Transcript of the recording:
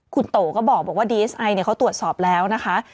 คุณโตก็บอกว่าดีเอสไอเขาตรวจสอบแล้วนะคะ